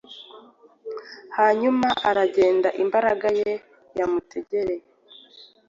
Hanyuma aragendaimbaga ye yamutegera